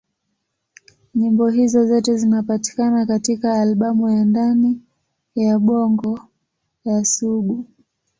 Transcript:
Nyimbo hizo zote zinapatikana katika albamu ya Ndani ya Bongo ya Sugu.